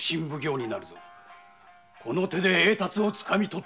この手で栄達をつかみとってみせる。